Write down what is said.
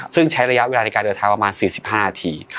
ซึ่งใช้ระยะเวลาในการเดินทางประมาณ๔๕นาที